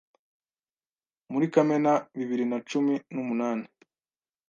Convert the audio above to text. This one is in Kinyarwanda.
muri Kamena bibiri na cumi numunani